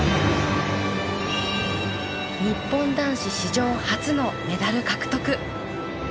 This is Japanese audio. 日本男子史上初のメダル獲得。